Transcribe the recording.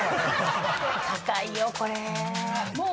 高いよこれ。